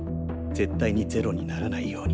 絶対に０にならないように。